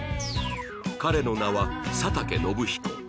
彼の名は佐竹信彦